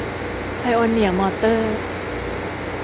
ไพโอเนียร์ มอเตอร์